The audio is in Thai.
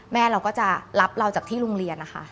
แม่เราก็จะรับเราจากที่โรงเรียนนะคะ